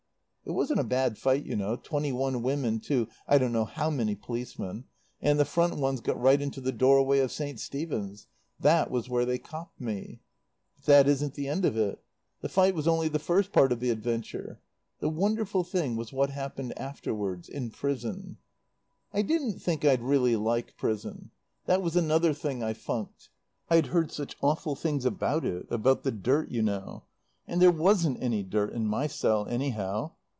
"It wasn't a bad fight, you know, twenty one women to I don't know how many policemen, and the front ones got right into the doorway of St. Stephen's. That was where they copped me. "But that, isn't the end of it. "The fight was only the first part of the adventure. The wonderful thing was what happened afterwards. In prison. "I didn't think I'd really like prison. That was another thing I funked. I'd heard such awful things about it, about the dirt, you know. And there wasn't any dirt in my cell, anyhow.